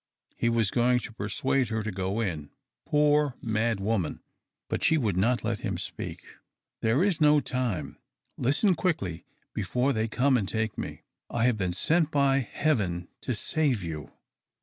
He was going to persuade her to go in, poor mad woman, but she would not let him speak. " There is no time. Listen quickly, before they come and take me. I have lieen sent by Heaven to save you.